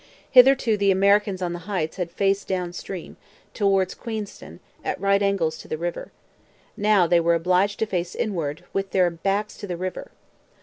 Hitherto the Americans on the Heights had faced down stream, towards Queenston, at right angles to the river. Now they were obliged to face inland, with their backs to the river.